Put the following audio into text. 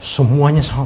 semuanya sama papa